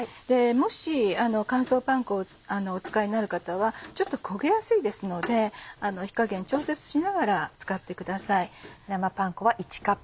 もし乾燥パン粉をお使いになる方はちょっと焦げやすいですので火加減調節しながら使ってください。